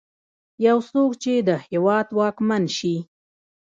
يو څوک چې د هېواد واکمن شي.